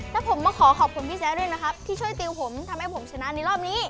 แล้วผมมาขอขอบคุณพี่แจ๊ด้วยนะครับที่ช่วยติวผมทำให้ผมชนะในรอบนี้